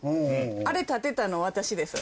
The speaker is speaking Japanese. あれ建てたの私です。